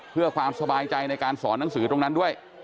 เพื่อความสบายใจในการสอนหนังสือตรงนั้นด้วย